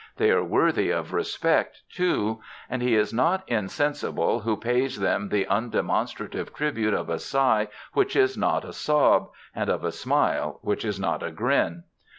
They are worthy of respect, too. And he is not insensible who pays them the undemonstrative tribute of a sigh which is not a sob, and of a smile which is not a grin.